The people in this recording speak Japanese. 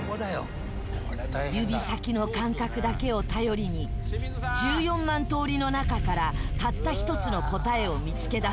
「指先の感覚だけを頼りに１４万とおりの中からたった一つの答えを見つけだす